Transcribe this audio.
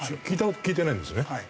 聞いてないんですね。